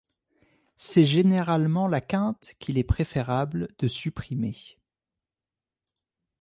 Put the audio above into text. C'est généralement la quinte qu'il est préférable de supprimer.